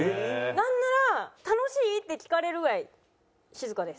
なんなら「楽しい？」って聞かれるぐらい静かです。